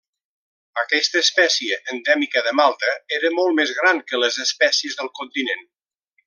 Aquesta espècie endèmica de Malta era molt més gran que les espècies del continent.